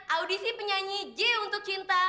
audisi penyanyi j untuk cinta